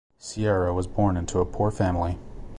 Sierra was born into a poor family.